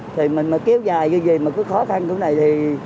thì mình mà kéo dài như vầy mà có khó khăn như thế này thì